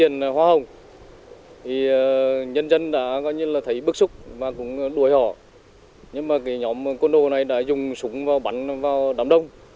nhân dân đã thấy bức xúc và đuổi họ nhưng nhóm quân đội này đã dùng súng bắn vào đám đông